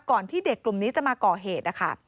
ก่อนที่เด็กกลุ่มนี้จะมาก่อเหตุ